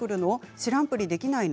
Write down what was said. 知らんぷりできないの？